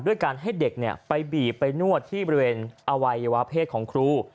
ด้วยการให้เด็กไปบีบไปนวดที่บริเวณอวัยวะเพศของครู